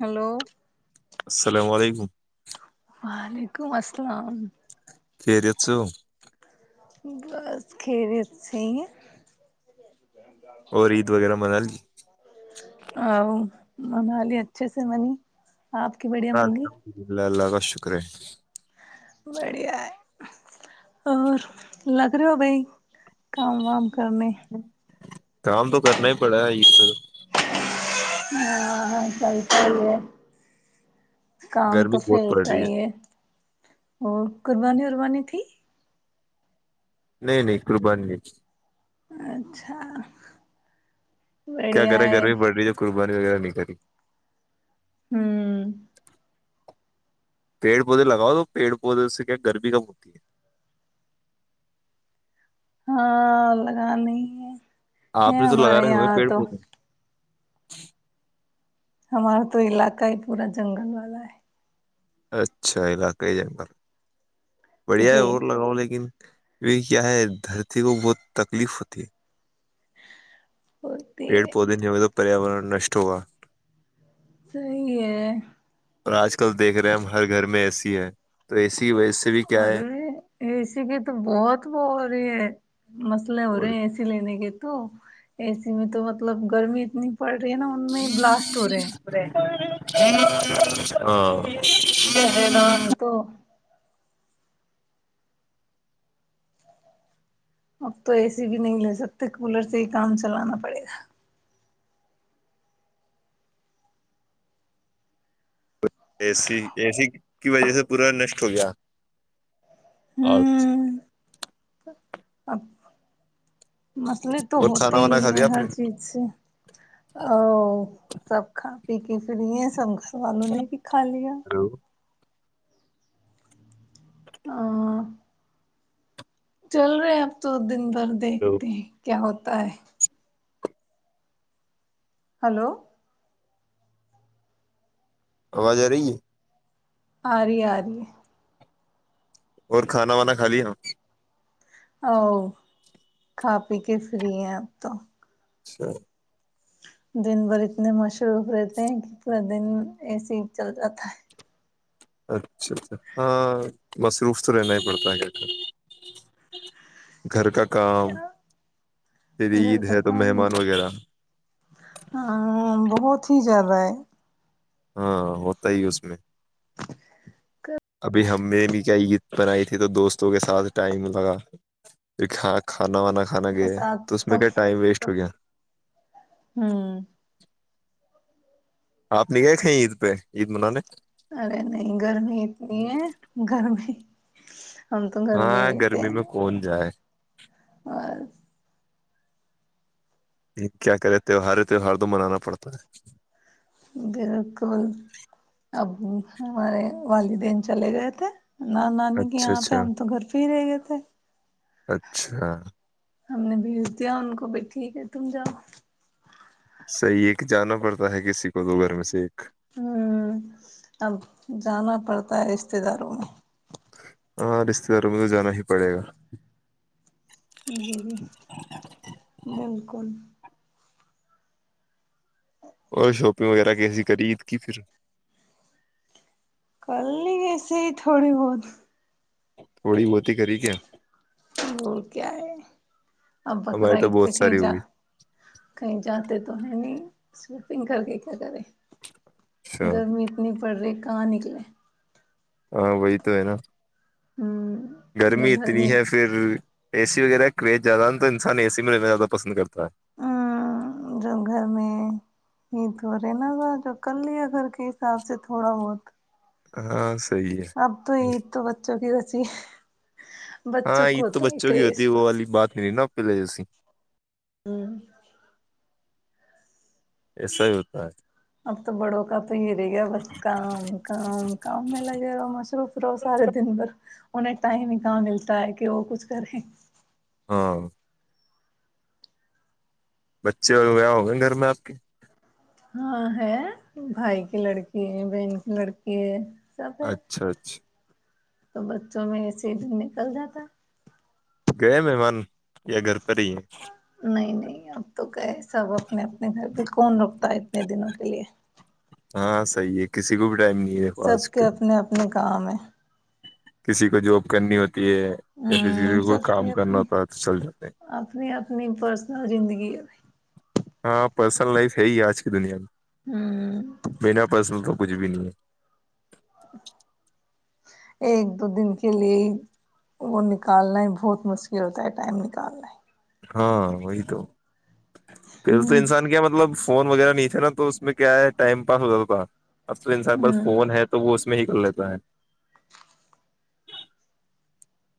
hello السلام علیکم وعلیکم السلام خری سو بس کھیریسح ہے اور عید وغیرہ من لی آؤ منالی اچھے سے بنی ال ححمدلہ اللہ بہ شکریہ بڑھیا ہے اور لگ رہے ہو بھائی کام وام کرنے کام تو کرنا ہی پڑا ہے ا پھر ہاں ہ سبح ہی ہے کام تو گرمی بہت پڑ پھیلتا رہی ہی ہے اور قربانی ہو بانی ت نہیں نہیں قربانی نہیں اچھا کیا بڑھیا کرے ہے گرمی بڑ رہی ہےئی زبانی وغہ نہیں کری ہوں پیڑ پودے لگاؤ تو پیڑ پودے سے کیا گرمی کم ہوتی ہے ہاں لگے ہے آپ ہے نے تو لگا ہمارے رہے ہو یہاں پیڑ تو پودے [unintelligible] ہمارا تو علاقہ ہی پورا جنگل والا ہے اچھا علاقائی جنگل بڑھیا ہے اور جی لگاؤ لیکن یہ کیا ہے دھرتی کو بہت تکلیف ہوتی ہے [unintelligible] ہوتی پیڑ ہے پودے جو ہو تو [unintelligible] پریاورن نشٹ ہوگا صحیح ہے [unintelligible] اور آج کل دیکھ رہے ہیں ہم ہر گھر میں ایسی [unintelligible] ہے تو ایسے [unintelligible] ارے اے سی کی تو بہت ہو رہی ہے مسئلے ہو اور رہے اے سی لینے کے تو [unintelligible] اے سی میں تو مطلب گرمی اتنی [unintelligible] پڑ رہی ہے نا ان میں بلاسٹ ہو رہے ہیں [unintelligible] او [unintelligible] ہے نا ہاں [unintelligible] تو اب تو اے سی بھی نہیں لے سکتے کولر سے ہی کام چلوانا پڑے گا [unintelligible] اے س اے سی کی وجہ سے پورا نشٹ ہو گیا [unintelligible] اور [unintelligible] تو اب [unintelligible] مسئلے تو اور ہوتے کھانا وانا ہی کھا لیا ہیں آپ ہر نے چیز سے ا سب کھ [unintelligible] پیک کے فھر یہ سب کر [unintelligible] تو آلو نے بھی کا لیا [unintelligible] ہلو ہ [unintelligible] چل رہے ہیں اب تو دن [unintelligible] ہلو، دیکھتے ہیں کیا ہوتا [unintelligible] ہوت ہے [unintelligible] ہلو [unintelligible] آواز آ رہی ہے [unintelligible] آ رہ آ رہے اور کھانا وانا کھا لی ن او کھا پی کے فری ہیں اب تو اچھا دن بھر اتنے مشروف رہتے ہیں کہ پورا دن ایسے ہی چل جاتا ہے اچھا اچھا ہاں مصروف تو رہنا ہی پڑتا ہے کیا کر گھر کا کام کیا پھر گھر عید کا ہے تو کام مہمان وغیرہ ہاں بہت ہی زیادہ ہے ہاں ہوتا ہی اس میں گھر ابھی ہمیں بھی کیائی پر آئی تھی تو دوستوں کے ساتھ ٹائم لگا پ کا کھانا وانا کھانا کے گئے ساتھ تو اس میں کیا ٹائم ویسٹ ہو گیا ہوں آپ ن کہے کہیں عید پہ عید منانے ارے نہیں گرمی اتنی ہے گرمی ہاں گرمی ہیں میں کون جائے اور کیا کرے تہوہار تہوار تو منانا پڑتا ہے بالکل اب ہمارے والدین چلے گئے تھے نہ نانی کے اچھا یہاں پہ اچھا ہم تو گھر پہ ہی رہے گئے تھے مھے اچھا ہم نے بھیج دیا ان کو بھی ٹھیک ہے تم جاؤ صحیح ہے کہ جانا پڑتا ہے کسی کو دو گھر میں سے ایک ہوں اب جانا پڑتا ہے رشتے داروں میں ہاں رشتے داروں مھ تو جانا ہی پڑے گا جیی بینکل اور شاپنگ وغیرہ کیسی کرریید کی پھر کر لی گےسے ہی تھوڑی بہت تھوڑی موتی کری کیا اور کیا ہے ا بکرا ہماری تو عید کے بہت کہیں ساری ہو جا گئی کہیں جاتے تو ہے نہیں سوپنگ کر کے کیا کرے اچھا گرمی اتنی پڑ رہی کہاں نکلے ہاں وہی تو ہے نا ہوں گرمی جو گھر اتنی میں ہے پھر اے سی وغیرہ کریز زیادہ ن تو انسان ا سی میں رہیننا زیادہ پسند کرتا ہے ہ جو گھر میں ہی تو رہے ناذا جو کر لیا گھر کے حساب سے تھوڑا بہت ہاں صحیح اب تو ہے عید تو بچوں کی جی ہاں یہید تو بچوں کی ہوتی ہے تو وہ والی بات ہی نہیں نا پل ہاں ایسا ہی ہوتا ہے اب تو بڑوں کا تو ہی رہ گیا بس کام کام کام میں لگے رہو مصروف رہو سارے دن بھر انہیں ٹائم ہی کہاں ملتا ہے کہ وہ کچھ کرے ہاں بچے اور وغیرہ ہوں گئے گھر میں آپ کے ہاں ہے بھائی کی لڑکی ہے بہن کی لڑکی ہے سب ہے اچھا اچھا تو بچوں میں ایسے ہی دن نکل جاتا گئے مہمان یا گھر پر ہی ہیں نہیں نہیں اب تو کہ سب اپنے اپنے گھر پہ کون رکتا ہے اتنے دنوں کے لیے ہاں صحیح ہے کسی کو بھی ٹائم نہیں ہے دیکھو سب آج کے کل اپنے اپنے [inaudible] کسی کو جاب کرنی ہوتی ہے یا پھر کسی ہوں کو کوئی سب کی کام کرنا اپنی ہوتا ہے تو چل جاتے ہیں اپنی اپنی پرسنل زندگی ہے ہاں پرسنل لائف ہے ہی آج کی دنیا میں ہ بنا پرس میں تو کچھ بھی نہیں ہے ایک دو دن کے لیے وہ نکالنا ہی بہت مشکل ہوتا ہے ٹائم نکالنا ہاں وہی تو پھر تو ہ انسان کیا مطلب فون وغیرہ نہیں تھاے نا تو اس میں کیا ہے ٹائم پاس ہو جاتا تھا اب تو انسان بس ہ فون ہے تو وہ میں ہی کر لیتا ہے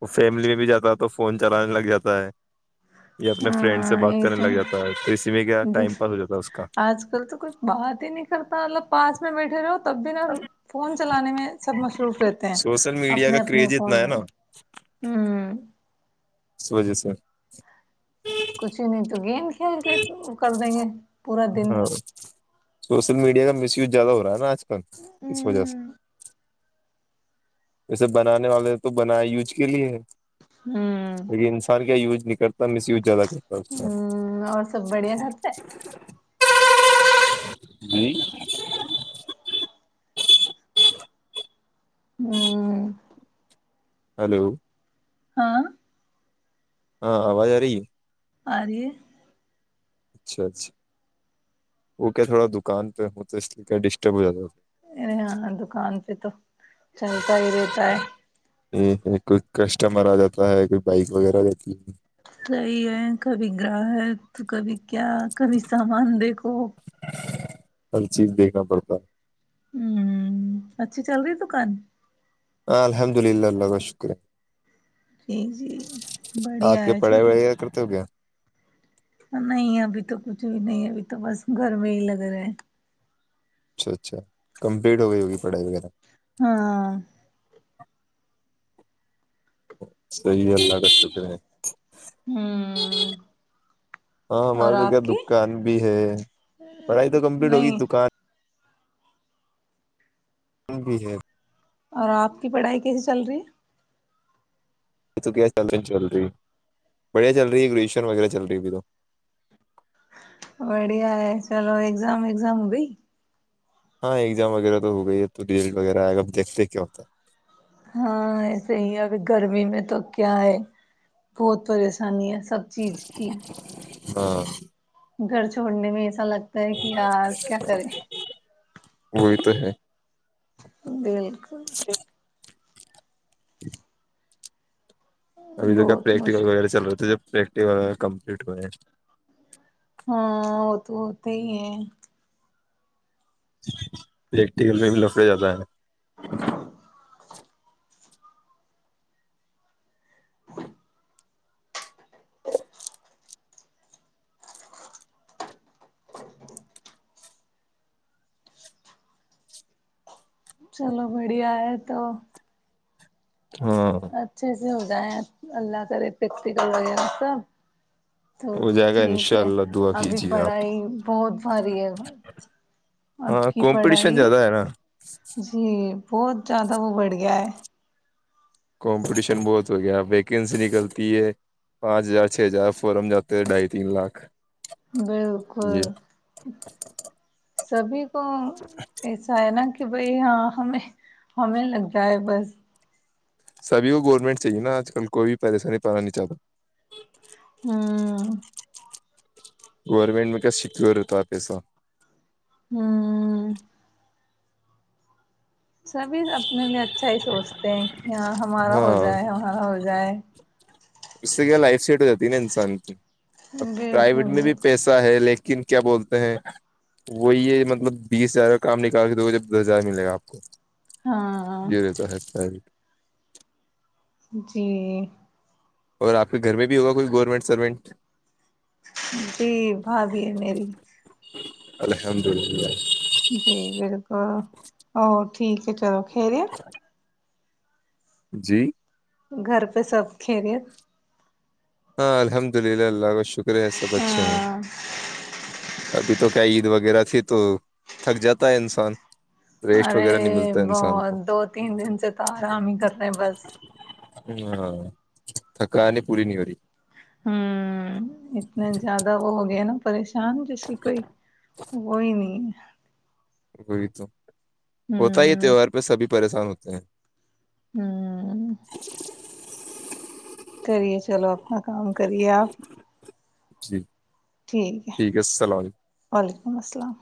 وہ فیملی میں بھی جاتا ہے تو فون چلانے لگ جاتا ہے یا اپنے فرینڈ سے ہاں بات یہی کرنے تو لگ جاتا ہے تو اسی میں کیا د ٹائم پاس ہو جاتا ہے اس کا آج کل تو کوئی بات ہی نہیں کرتا ملب پاس میں بیٹھے رہو تب بھی نا فون چلانے میں سب مصروف رہتے ہیں سوشل میڈیا اپنے کا اپنے کریز فون اتنا ہے میں نا ہ سو جی سر کچھ بھی نہیں تو گ ک کے کر دیں گے پورا دن مڈیا کا مس وز زیاہ ہوا ن سر اس وجہ سے جیسے بنانے والے تو بنائے یوج کے لیے ہے ہوں لیک انسان کیا یوج کرتا مس وز زیادہ ہوں اور سب بڑھیا گھر پہ [unintelligible] جی ہوں ہلو ہاں ہاں آواز آ رہی ہے آ رہ اچھا اچھا وہ کیا تھوڑا دکان پہ ہو تو اس لیے کیا ڈسٹرب ہو جاتا ا دکان پہ تو چلتا ہی رہتا ہے کمر آ جاتا ہے کوئی بائک وغیرہ جی ہے صحیح ہے کبھی گراہ ہے تو کبھی کیا کبھی سامان دیکھو ہر چیز دیکھنا پڑتا ہے ہوں اچھی چل رہی دکان الحمد للہ اللہ کا شکریہ جی جی بڑھیا آپ کے ہے پڑھائی چلو وغیرہ کرتے ہو کیا نہیں ابھی تو کچھ بھی نہیں ابھی تو بس گھر میں ہی لگ رہے ہیں اچھا اچھا کمپلیٹ ہو گئی ہوگی پڑھائی وغیرہ ہاں [inaudible] صحیح اللہ کا شکر ہے ہوں ہاں اور ہمارے تو آپ کیا کی دکان بھی ہے پڑھائی تو کمپلیٹ ہوگی نہیں دکان بھی ہے [unintelligible] اور آپ کی پڑھائی کیسی چل رہی ہے یہ تو کیا چل رہا چل رہی بڑھیا چل رہی ہے گریجشن وغیرہ چل رہی ہے ابھی تو بڑھیا ہے چلو ایگزام وگزام ہو گئی ہاں ایگزام وغیرہ تو ہو گئی ہے تو ریزلٹ وغیرہ آئے گا اب دیکھتے کیا ہوتا ہے ہاں ایسے ہی ہے اب گرمی میں تو کیا ہے بہت پریشانی ہے سب چیز کیھی ہاں گھر چھوڑنے میں اچھا لگتا ہے کہ یار کیا کریں وہی تو ہے بالکل [inaudible] ابھی کا بہت پریکٹیکل مشک وغیرہ چل رہا تھا جب پریکٹیکل وغ کمپلیٹ ہوئے ہیں ہاں وہ تو ہوتے ہی ہے ایک ٹیل میں بھی لپڑا جاتا ہے [inaudible] [inaudible] چلو بڑھیا ہے تو ہاں ہویا اللہ کر پیکٹیکل وغیرہ سب تو ہو جائے گا ان ٹھیک شاء ہے اللہ دعا ابھی کیجیے آپ پڑھائی بہت بھاری ہے اب ہاں کی کمپٹیشن پڑھائی زیادہ ہے نا جی بہت زیادہ وہ بڑھ گیا ہے کمپٹیشن بہت ہو گیا ویکینسی نکلتی ہے پانچ ہزار چھ ہزار فورم جاتے ہیں ڈھائی تین لاکھ یہ بالکل سبھی ا ایسا ہے ن کہ بھائی ہاں ہمیں ہمیں لگ جائے بس سبھی کو گورنمنٹ چاہیے نا آج کل کوئی بھی پریشانی پانا نہیں چاہتا ہاں گورمنٹ میں کا سیکیور ہوتا ہے پیسا ہوں سبھی اپنے لیے اچھا ہی سوچتے ہیں کہ یہاں ہمارا ہو ہاں جائے ہمارا ہو جائے اس سے کیا لائف سیٹ ہو جاتی ہے نا انسان کی اب پرائیویٹ بالکل میں بھی بالکل پیسہ ہے لیکن کن کیا بولتے ہیں وہی مطلب بیس ہزار کا کام نکال کے دے جب دس ہزار ملے گا آپ کو ہاں یہ رہی تو ہے س جی اور آپ کے گھر میں بھی ہوگا کوئی گورنمنٹ سرونٹ جی بھ بھی ہے میری الحمد للہ جی بالکل اور ٹھیک ہے چلو خیر جی گھر پہ سب کھیلے ہاں الحمد للہ اللہ اللہ کا شکر ہے سب اچھے ہیں ہاں ابھی تو کیا عید وغیرہ تھی تو تھک جاتا ہے انسان ریسٹ ارے وغیرہ نہیں ملتا ہے انسان بہت کو دو تین دن سے تو آرام ہی کر رہے بس ہاں تھکا نے پوور نہیں ہوی ہوں اتنے زیادہ وہ ہو گیا نا پ چان جس کی کوئی وہ ہی نہیں ہے وہئی تو ہے ہوتا ہی ہ تہوار پہ سبھی پریشان ہوتے ہیں ہ اچی کریے چلو اپنا کام کریا جی ٹھیک ہے وعلیکم السلام